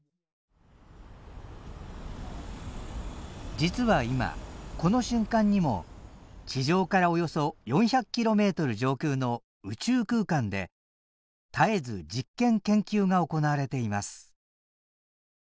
実は今この瞬間にも地上からおよそ４００キロメートル上空の宇宙空間で絶えず実験研究が行われています。